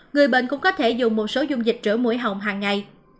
người bệnh cũng có thể dùng một số dung dịch rửa mũi hỏng hàng ngày